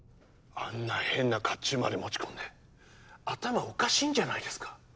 あんな変な甲冑まで持ち込んで頭おかしいんじゃないですか？